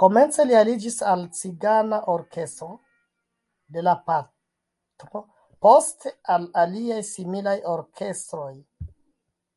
Komence li aliĝis al cigana orkestro de la patro, poste al aliaj similaj orkestroj.